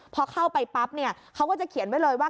พอเข้าไปปั๊บเนี่ยเขาก็จะเขียนไว้เลยว่า